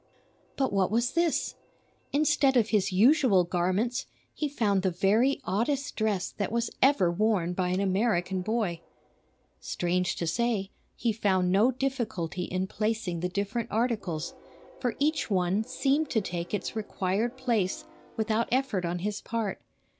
But what was this? Instead of his usual garments he found the very oddest dress that was ever worn by an American boy. Strange to say, he found no difficulty in placing the different articles, for each one seemed to take its required place without effort on his part.